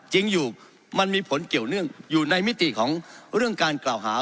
จริงอยู่มันมีผลเกี่ยวเนื่องอยู่ในมิติของเรื่องการกล่าวหา